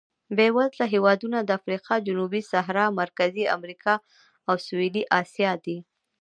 بېوزله هېوادونه د افریقا جنوبي صحرا، مرکزي امریکا او سوېلي اسیا دي.